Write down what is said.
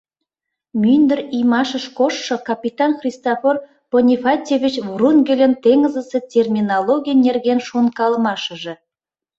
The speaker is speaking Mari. Мӱндыр иймашыш коштшо капитан Христофор Бонифатьевич Врунгельын теҥызысе терминологий нерген шонкалымашыже